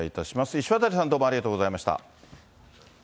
石渡さん、どうもありがとうございました。